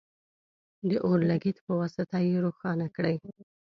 د اور لګیت په واسطه یې روښانه کړئ.